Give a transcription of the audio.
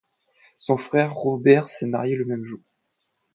Son frère Robert s'est marié le même jour.